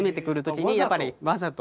わざと？